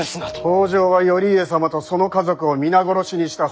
北条は頼家様とその家族を皆殺しにした。